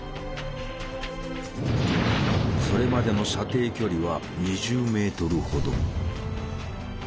それまでの射程距離は２０メートルほど。